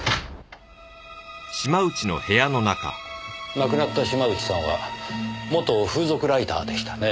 亡くなった島内さんは元風俗ライターでしたね？